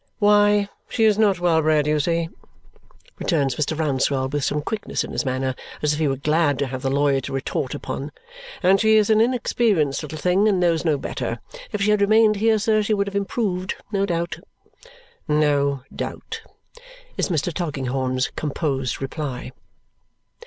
"Why, she is not well bred, you see," returns Mr. Rouncewell with some quickness in his manner, as if he were glad to have the lawyer to retort upon, "and she is an inexperienced little thing and knows no better. If she had remained here, sir, she would have improved, no doubt." "No doubt," is Mr. Tulkinghorn's composed reply.